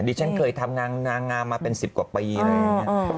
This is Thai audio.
ดิฉันเคยทำงานงามมาเป็นสิบกว่าปีเลยนะ